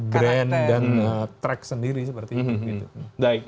grand dan track sendiri seperti itu